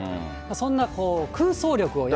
そんな空想力を養う。